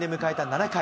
７回。